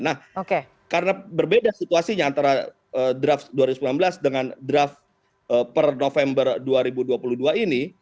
nah karena berbeda situasinya antara draft dua ribu sembilan belas dengan draft per november dua ribu dua puluh dua ini